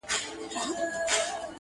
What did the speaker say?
راته وایه څه دي خیال دی صدقې.